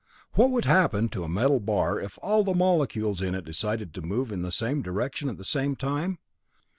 "What would happen to a metal bar if all the molecules in it decided to move in the same direction at the same time?